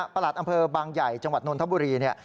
ประหลัดอำเภอบางใหญ่จังหวัดนนทบุรี